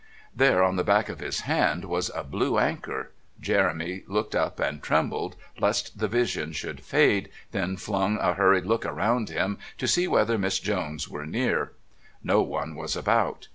There, on the back of his hand, was a blue anchor.... Jeremy looked up and trembled lest the vision should fade, then flung a hurried look around him to see whether Miss Jones were near. No one was about.